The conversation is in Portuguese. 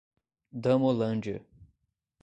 Damolândia